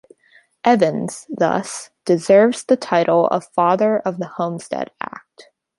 Evans, thus, deserves the title of Father of the Homestead Act.